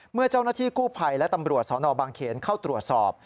เมื่อเจ้าหน้าที่กู้ภัยและตำรวจสนบางเขนเข้าตรวจสอบ